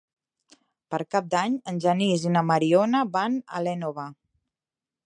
Per Cap d'Any en Genís i na Mariona van a l'Énova.